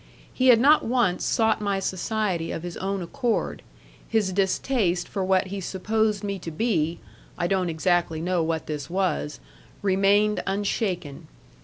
He had not once sought my society of his own accord; his distaste for what he supposed me to be (I don't exactly know what this was) remained unshaken.